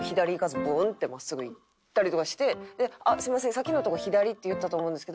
さっきのとこ左って言ったと思うんですけど」。